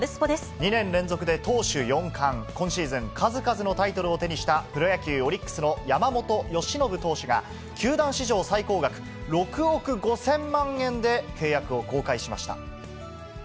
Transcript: ２年連続で投手４冠、今シーズン、数々のタイトルを手にした、プロ野球・オリックスの山本由伸投手が、球団史上最高額、６億５０００万円で契約を更改しました。